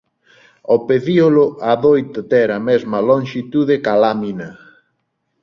O pecíolo adoita ter a mesma lonxitude cá lámina.